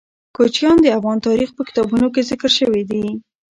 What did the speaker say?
کوچیان د افغان تاریخ په کتابونو کې ذکر شوی دي.